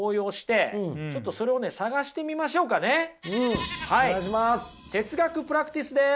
うんお願いします。